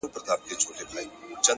ما به زندۍ کړې بیا به نه درکوی لار کوڅه